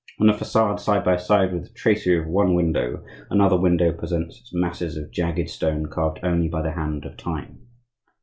On the facade, side by side with the tracery of one window, another window presents its masses of jagged stone carved only by the hand of time.